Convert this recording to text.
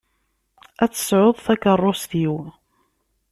Ad tt-tesɛuḍ takeṛṛust-iw.